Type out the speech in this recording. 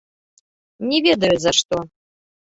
Не ведаю, за што.